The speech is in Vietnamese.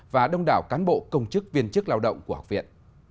và đông đảo cán bộ công chức viên chức lao động của học viện